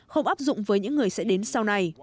không áp dụng với những người sẽ đến sau này